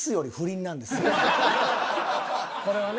これはね。